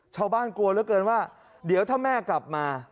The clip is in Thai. กลัวเหลือเกินว่าเดี๋ยวถ้าแม่กลับมา